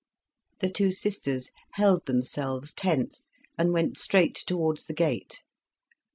The two sisters held themselves tense, and went straight towards the gate.